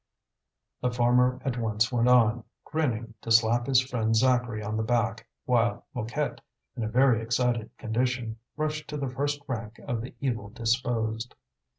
The former at once went on, grinning, to slap his friend Zacharie on the back; while Mouquette, in a very excited condition, rushed to the first rank of the evil disposed.